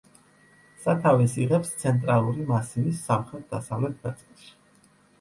სათავეს იღებს ცენტრალური მასივის სამხრეთ-დასავლეთ ნაწილში.